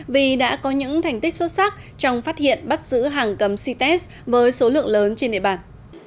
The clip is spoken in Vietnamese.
vì đã có những thành tích xuất sắc trong phát hiện bắt giữ hàng cấm cites với số lượng lớn trên địa bàn